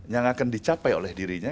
yang akan dicapai oleh dirinya